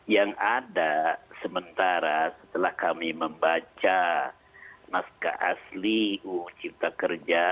yang ada sementara setelah kami membaca naskah asli uu cipta kerja